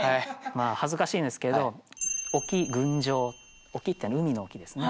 まあ恥ずかしいんですけど「沖群青」「沖」って海の沖ですね。